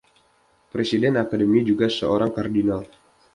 Presiden Akademi juga seorang kardinal.